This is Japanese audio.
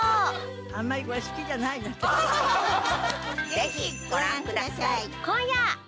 ぜひご覧ください。